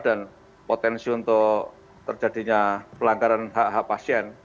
dan potensi untuk terjadinya pelanggaran hak hak pasien